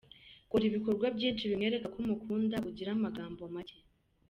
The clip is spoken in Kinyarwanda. Kora ibikorwa byinshi bimwereka ko umukunda ugire amagambo macye.